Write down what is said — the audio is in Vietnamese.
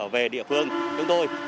về địa phương chúng tôi